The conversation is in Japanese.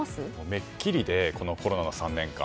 めっきりでこのコロナの３年間。